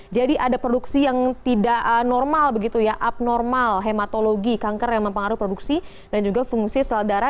jadi ada produksi yang tidak normal begitu ya abnormal hematologi kanker yang mempengaruhi produksi dan juga fungsi sel darah